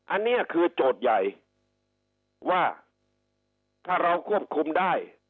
อันนี้คือโจทย์ใหญ่ว่าถ้าเราควบคุมได้